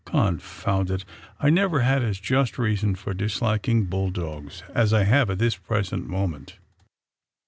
Confound it, I never had as just reason for disliking bull dogs as I have at this present moment!"